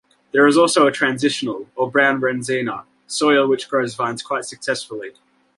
There is also a 'transitional', or brown rendzina, soil which grows vines quite successfully.